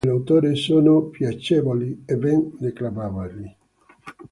Tutte le poesie dell'autore sono piacevoli e ben declamabili.